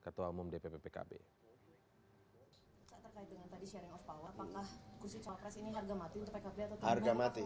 ya nggak usah dibikir